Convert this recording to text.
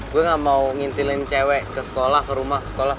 gue gak mau ngintilin cewek ke sekolah ke rumah sekolah